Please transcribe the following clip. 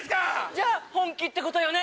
じゃあ本気ってことよね？